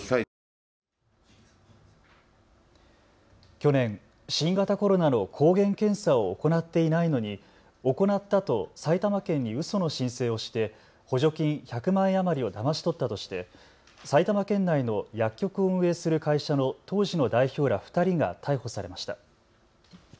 去年、新型コロナの抗原検査を行っていないのに、行ったと埼玉県にうその申請をして補助金１００万円余りをだまし取ったとして埼玉県内の薬局を運営する会社の当時の代表ら２人が逮捕されました。